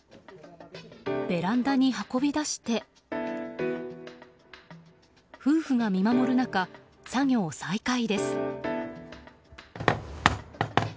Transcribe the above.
ベランダに運び出して夫婦が見守る中、作業再開です。